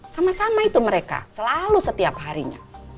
sama sama itu mereka selalu setiap harinya